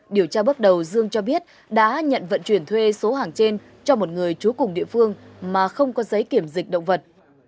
điều tra bước đầu dương cho biết đã nhận vận chuyển thuê số hàng trên cho một người trú cùng địa phương mà không có giấy kiểm dịch động vật